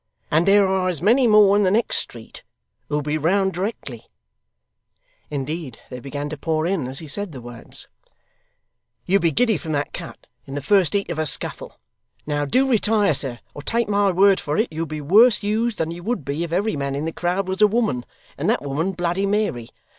And there are as many more in the next street, who'll be round directly,' indeed they began to pour in as he said the words 'you'd be giddy from that cut, in the first heat of a scuffle. Now do retire, sir, or take my word for it you'll be worse used than you would be if every man in the crowd was a woman, and that woman Bloody Mary.